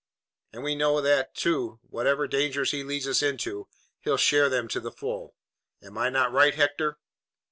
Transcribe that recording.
And we know, too, that whatever dangers he leads us into, he'll share them to the full. Am I not right, Hector?"